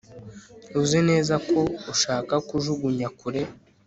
uzi neza ko ushaka kujugunya kure